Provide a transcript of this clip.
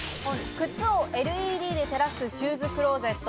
靴をＬＥＤで照らすシューズクローゼット。